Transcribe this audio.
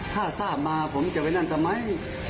ถ้าทราบมาผมจะไปนั่นทำไม